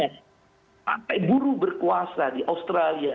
sampai buruh berkuasa di australia